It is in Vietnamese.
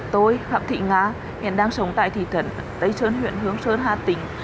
tôi phạm thị nga hiện đang sống tại thị trấn tây sơn huyện hướng sơn hà tỉnh